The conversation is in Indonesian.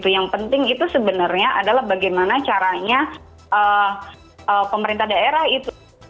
yang penting itu sebenarnya adalah bagaimana caranya pemerintah daerah itu